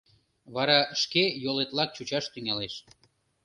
— Вара шке йолетлак чучаш тӱҥалеш.